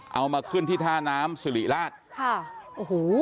เอามาขึ้นที่ท่าน้ำสิริราชค่ะโอ้โห